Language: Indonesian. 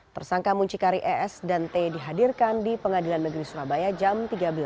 tersangka muncikari es dan t dihadirkan di pengadilan negeri surabaya jam tiga belas